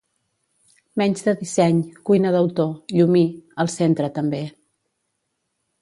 Menys de disseny, cuina d'autor, Llumí, al centre també.